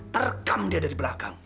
terkam dia dari belakang